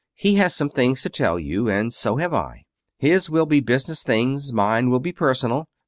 He has some things to tell you and so have I. His will be business things, mine will be personal.